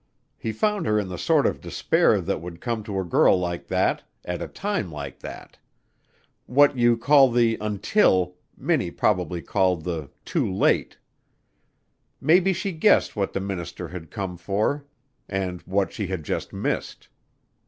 He found her in the sort of despair that would come to a girl like that at a time like that. What you call the 'until' Minnie probably called the 'too late.' Maybe she guessed what the minister had cone for and what she had just missed.